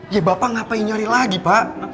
ya bapak ngapain nyari lagi pak